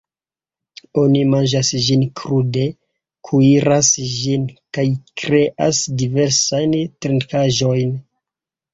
Oni manĝas ĝin krude, kuiras ĝin, kaj kreas diversajn trinkaĵojn.